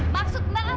maksud mbak apa